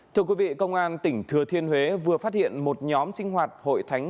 thưa quý vị công an tỉnh thừa thiên huế vừa phát hiện một nhóm sinh hoạt hội thánh